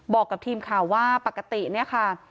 บอกกับทีมข่าวว่าปกติเนี่ยค่ะ